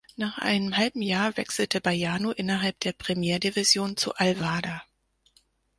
Nach einem Jahr wechselte Baiano innerhalb der Premier Division zu al-Wahda.